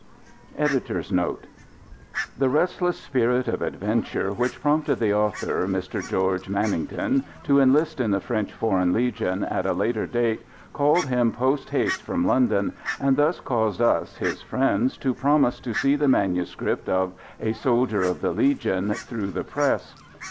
EDITORS' NOTE The restless spirit of adventure which prompted the author, Mr George Manington, to enlist in the French Foreign Legion, at a later date called him post haste from London, and thus caused us, his friends, to promise to see the manuscript of "A Soldier of the Legion" through the press.